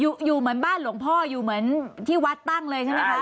อยู่อยู่เหมือนบ้านหลวงพ่ออยู่เหมือนที่วัดตั้งเลยใช่ไหมคะ